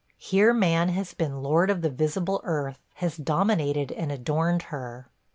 Here man has been "lord of the visible earth;" has dominated and adorned her.